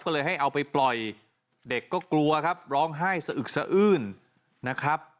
ก็เลยให้เอาไปปล่อยเด็กก็กลัวครับร้องไห้สะอึกสะอื้นนะครับ